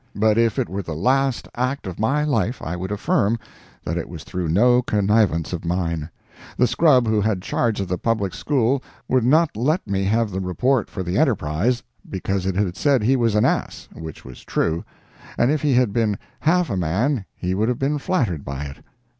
But if it were the last act of my life I would affirm that it was through no connivance of mine. The scrub who had charge of the public school would not let me have the report for the ENTERPRISE, because it had said he was an ass, which was true, and if he had been half a man he would have been flattered by it.